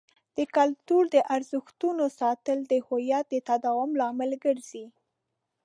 د کلتور د ارزښتونو ساتل د هویت د تداوم لامل ګرځي.